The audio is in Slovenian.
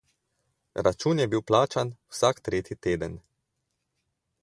Račun je bil plačan vsak tretji teden.